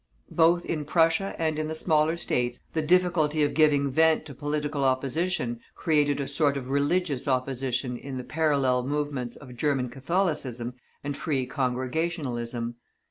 Both in Prussia and in the smaller States the difficulty of giving vent to political opposition created a sort of religious opposition in the parallel movements of German Catholicism and Free Congregationalism.